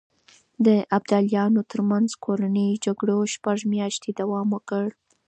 د ابداليانو ترمنځ کورنيو جګړو شپږ مياشتې دوام وکړ.